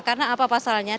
karena apa pasalnya